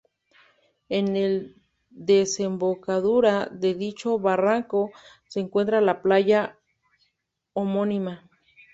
En la desembocadura de dicho barranco se encuentra la playa homónima.